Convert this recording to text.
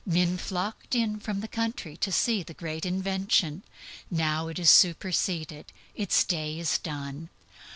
Men flocked in from the country to see the great invention; now it is superseded, its day is done.